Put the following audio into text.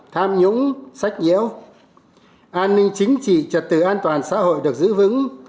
tham nhũng sách nhiễu an ninh chính trị trật tự an toàn xã hội được giữ vững